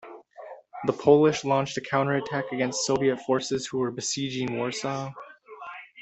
The Polish launched a counterattack against Soviet forces who were besieging Warsaw.